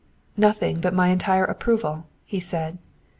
"Nothing, but my entire approval," he said.